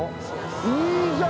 いいじゃん！